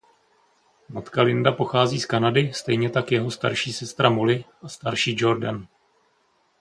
Matka Linda pochází z Kanady stejně tak jeho mladší sestra Molly a starší Jordan.